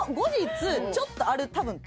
ちょっとある多分。